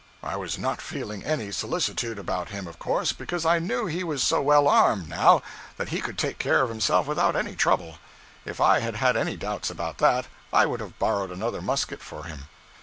I was not feeling any solicitude about him of course, because I knew he was so well armed, now, that he could take care of himself without any trouble. If I had had any doubts about that, I would have borrowed another musket for him.